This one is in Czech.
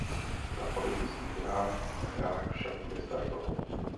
Na olympijských hrách hrách však nestartoval.